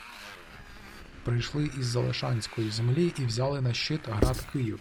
прийшли із «Залешанської землі» і «взяли на щит град Київ»